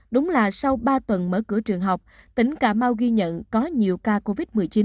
đúng là sau ba tuần mở cửa trường học tỉnh cà mau ghi nhận có nhiều ca covid một mươi chín